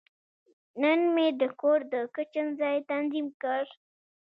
نن مې د کور د کچن ځای تنظیم کړ.